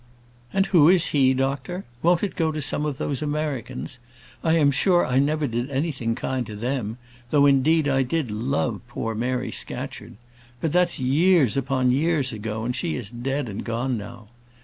"And who is he, doctor? Won't it go to some of those Americans? I am sure I never did anything kind to them; though, indeed, I did love poor Mary Scatcherd. But that's years upon years ago, and she is dead and gone now.